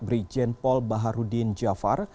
brigjen pol baharudin jafar